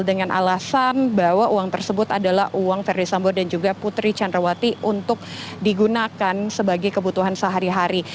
dengan alasan bahwa uang tersebut adalah uang ferdis sambo dan juga putri candrawati untuk digunakan sebagai kebutuhan sehari hari